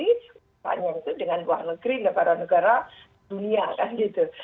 hubungannya itu dengan luar negeri negara negara dunia kan gitu